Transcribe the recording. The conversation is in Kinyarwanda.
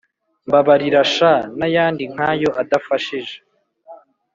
mbabarira sha n’ayandi nk’ayo adafashije.